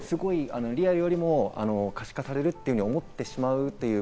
リアルよりも可視化されると思ってしまうという。